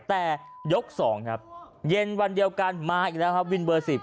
แต่ยก๒ครับเย็นวันเดียวกันมาอีกแล้วครับวินเบอร์๑๐